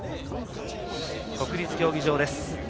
国立競技場です。